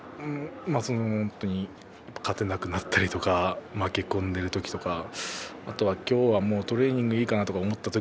勝てなくなったりとか負け込んでいる時とかあとは今日はトレーニングいいかなと思った時